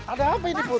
ada apa ini pur